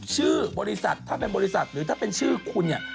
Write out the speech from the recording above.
ชื่อบริษัทถ้าเป็นบริษัทหรือถ้าเป็นชื่อคุณเนี่ย